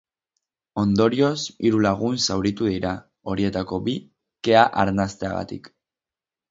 Ondorioz, hiru lagun zauritu dira, horietako bi kea arnasteagatik.